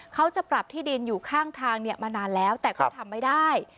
เขาจะปรับที่ดินอยู่ข้างทางมานานแล้วแต่ก็ทำไม่ได้